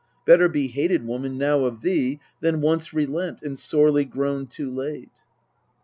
Better be hated, woman, now of thee, Than once relent, and sorely groan too late.